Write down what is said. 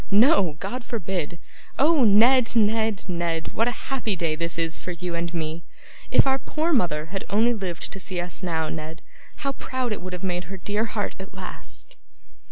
No, God forbid! Oh, Ned, Ned, Ned, what a happy day this is for you and me! If our poor mother had only lived to see us now, Ned, how proud it would have made her dear heart at last!